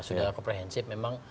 sudah komprehensif memang